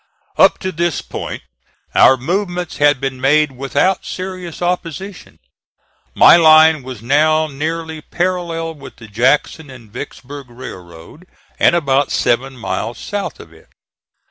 Up to this point our movements had been made without serious opposition. My line was now nearly parallel with the Jackson and Vicksburg railroad and about seven miles south of it.